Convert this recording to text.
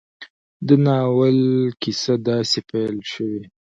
د ناول کيسه داسې پيل شوې